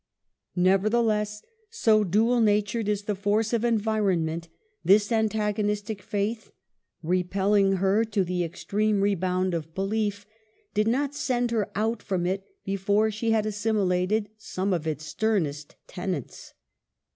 Nevertheless, so dual natured is the force of environment, this antagonistic faith, repelling her to the extreme rebound of belief, did not send her out from it before she had assimilated some of its sternest tenets.